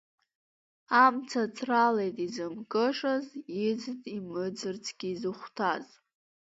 Амца ацралеит изымкышаз, иӡт имыӡырцгьы зыхәҭаз.